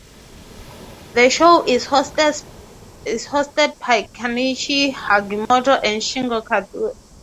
The show is hosted by Kinichi Hagimoto and Shingo Katori.